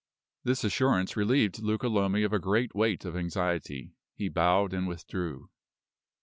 This assurance relieved Luca Lomi of a great weight of anxiety. He bowed and withdrew.